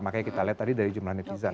makanya kita lihat tadi dari jumlah netizen